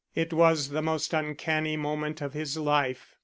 It was the most uncanny moment of his life.